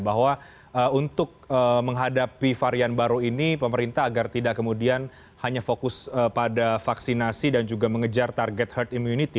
bahwa untuk menghadapi varian baru ini pemerintah agar tidak kemudian hanya fokus pada vaksinasi dan juga mengejar target herd immunity